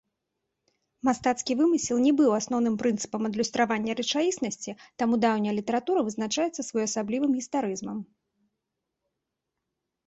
Мастацкі вымысел не быў асноўным прынцыпам адлюстравання рэчаіснасці, таму даўняя літаратура вызначаецца своеасаблівым гістарызмам.